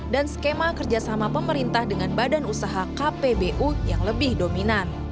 dan skema kerjasama pemerintah dengan badan usaha kpbu yang lebih dominan